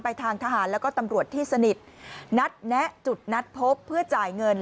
ทางทหารแล้วก็ตำรวจที่สนิทนัดแนะจุดนัดพบเพื่อจ่ายเงิน